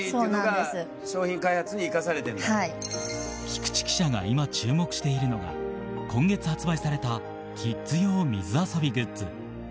菊地記者が今注目しているのが今月発売されたキッズ用水遊びグッズ